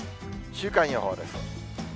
週間予報です。